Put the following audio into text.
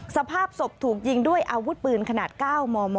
สภาพศพถูกยิงด้วยอาวุธปืนขนาด๙มม